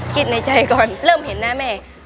คิดในใจก่อนเริ่มเห็นนะแม่